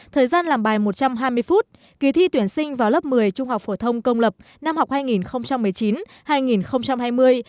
thời gian làm bài một trăm hai mươi phút kỳ thi tuyển sinh vào lớp một mươi trung học phổ thông công lập năm học hai nghìn một mươi chín hai nghìn hai mươi